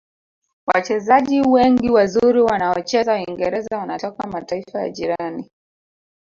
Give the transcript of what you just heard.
wachezaji wengi wazuri waonaocheza uingereza wanatoka mataifa ya jirani